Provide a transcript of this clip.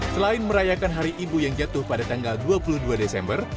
selain merayakan hari ibu yang jatuh pada tanggal dua puluh dua desember